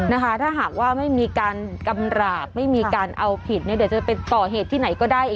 นะคะถ้าหากว่าไม่มีการกำหราบไม่มีการเอาผิดเนี่ยเดี๋ยวจะไปก่อเหตุที่ไหนก็ได้